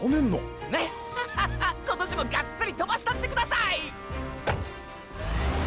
ッハハハ今年もがっつりトバしたってください！！